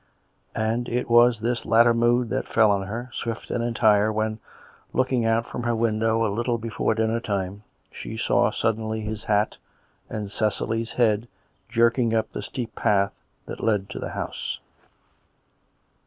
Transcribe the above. And it was this latter mood that fell on her, swift and entire, when, looking out from her window a little before dinner time, she saw suddenly his hat, and Cecily's head, jerking up the steep path that led to the house.